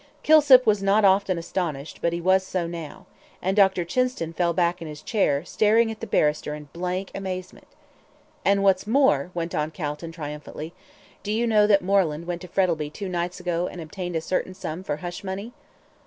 Kilsip was not often astonished; but he was so now. And Dr. Chinston fell back in his chair, staring at the barrister in blank amazement. "And what's more," went on Calton, triumphantly, "do you know that Moreland went to Frettlby two nights ago and obtained a certain sum for hush money?"